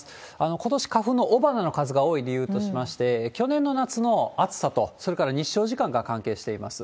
ことし、花粉の雄花の数が多い理由としまして、去年の夏の暑さと、それから日照時間が関係しています。